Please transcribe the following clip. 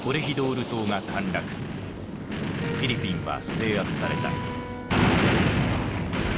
フィリピンは制圧された。